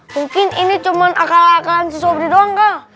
mungkin ini cuma akal akalan si sobri doang kak